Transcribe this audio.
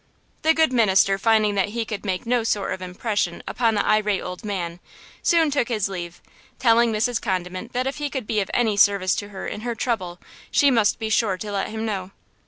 The good minister finding that he could make no sort of impression upon the irate old man, soon took his leave, telling Mrs. Condiment that if he could be of any service to her in her trouble she must be sure to let him know.